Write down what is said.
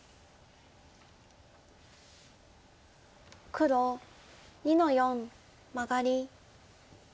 黒２の四マガリ。